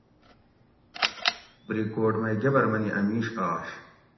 بریکوٹ مئ گبر منی اۤ میش آش